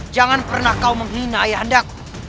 jangan pernah kau menghina ayah andaku